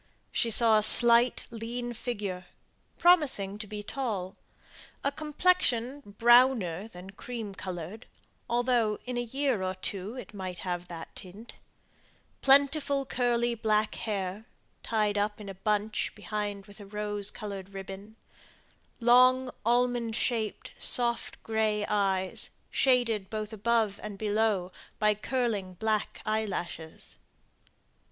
She saw a slight, lean figure, promising to be tall; a complexion browner than cream coloured, although in a year or two it might have that tint; plentiful curly black hair, tied up in a bunch behind with a rose coloured ribbon; long, almond shaped, soft gray eyes, shaded both above and below by curling black eyelashes.